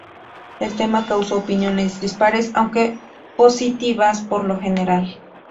El tema causó opiniones dispares, aunque positivas por lo general.